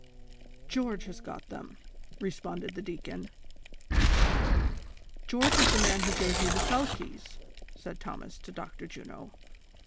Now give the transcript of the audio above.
" George has got them," responded the deacon. "George is the man who gave you the cell keys," said Thomas to Dr. Juno.